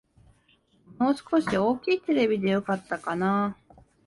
もう少し大きいテレビでよかったかな